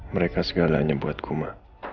mereka segalanya buatku ma